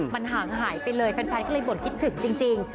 มันห่างหายไปเลยแฟนก็เลยบ่นคิดถึงจริง